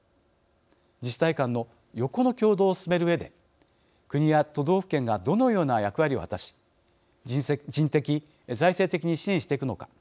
自治体間の横の協働を進めるうえで、国や都道府県がどのような役割を果たし人的、財政的に支援していくのか。